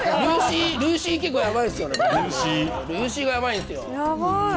ルーシー、結構、やばいんですよね。